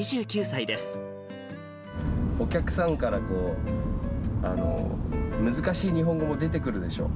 お客さんからこう、難しい日本語も出てくるでしょ。